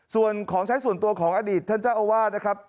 ส่วนของใช้ส่วนตัวของอดีตท่านเจ้าอาวาสนะครับ